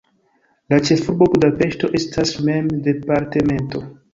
La ĉefurbo Budapeŝto estas mem departemento.